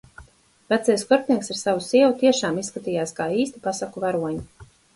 Vecais kurpnieks ar savu sievu tiešām izskatījās kā īsti pasaku varoņi.